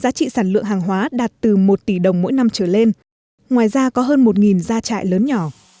giá trị sản lượng hàng hóa đạt từ một tỷ đồng mỗi năm trở lên ngoài ra có hơn một gia trại lớn nhỏ